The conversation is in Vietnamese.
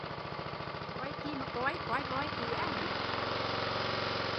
Coi chi, coi voi ỉa